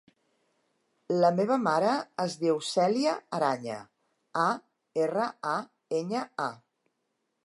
La meva mare es diu Cèlia Araña: a, erra, a, enya, a.